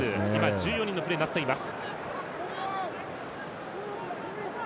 １４人のプレーになっています。